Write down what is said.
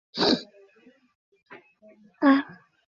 রাজনৈতিক সব পক্ষই বিভিন্ন অন্যায়ের সঙ্গে জড়িত।